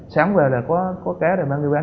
sáng về là có cá để mang đi bán